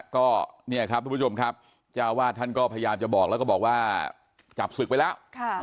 ก็เนี่ยครับทุกผู้ชมครับเจ้าวาดท่านก็พยายามจะบอกแล้วก็บอกว่าจับศึกไปแล้ว